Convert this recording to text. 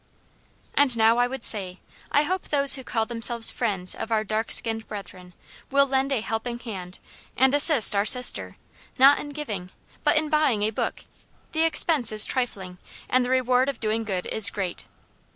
And now I would say, I hope those who call themselves friends of our dark skinned brethren, will lend a helping hand, and assist our sister, not in giving, but in buying a book; the expense is trifling, and the reward of doing good is great.